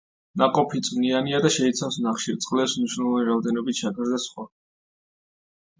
ნაყოფი წვნიანია და შეიცავს ნახშირწყლებს, მნიშვნელოვანი რაოდენობით შაქარს და სხვა.